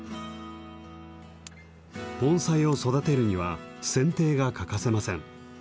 盆栽を育てるにはせんていが欠かせません。